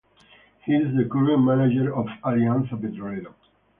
He is the current manager of Alianza Petrolera.